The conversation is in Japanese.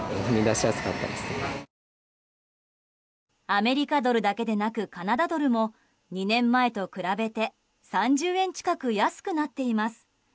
アメリカドルだけでなくカナダドルも２年前と比べて３０円近くも安くなっています。